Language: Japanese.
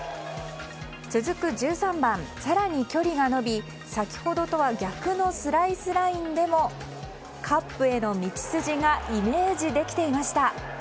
続く１３番、更に距離が伸び先ほどとは逆のスライスラインでもカップへの道筋がイメージできていました。